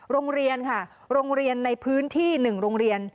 โรงเรียนค่ะโรงเรียนในพื้นที่๑โรงเรียน